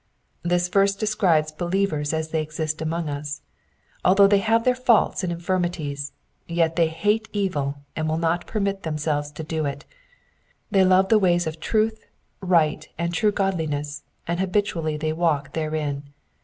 This verse describes believers as they exist among us : although they have their faults and infirmities, yet they hate evil, and will not permit themselves to do it ; they love the ways of truth, right and true godliness, and habitually they walk therein.